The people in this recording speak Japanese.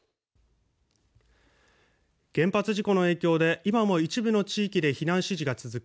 原発事故の影響で今も一部の地域で避難指示が続く